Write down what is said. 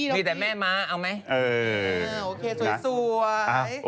มีแต่แม่ม้าเอาไหม